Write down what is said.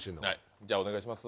じゃあお願いします。